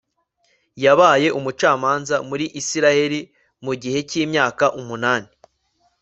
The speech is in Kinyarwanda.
yabaye umucamanza muri israheli mu gihe cy'imyaka umunani